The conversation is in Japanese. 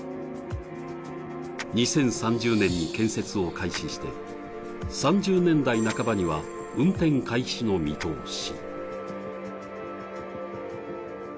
２０３０年に建設を開始して３０年代半ばには運転開始の見通し。